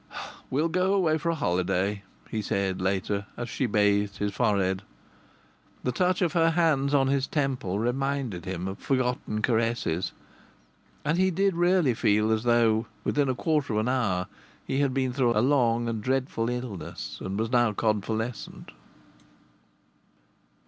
"We'll go away for a holiday," he said, later, as she bathed his forehead. The touch of her hands on his temples reminded him of forgotten caresses. And he did really feel as though, within a quarter of an hour, he had been through a long and dreadful illness and was now convalescent.